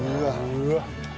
うわっ。